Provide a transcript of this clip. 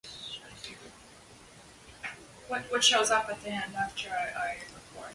Nu ir parādījies vesels lērums labojumu budžetā.